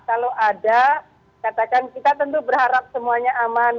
kalau ada katakan kita tentu berharap semuanya aman